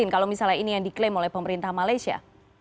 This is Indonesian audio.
kalau misalnya ini yang diklaim oleh pemerintah malaysia